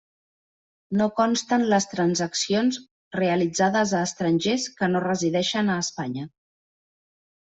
No consten les transaccions realitzades a estrangers que no resideixen a Espanya.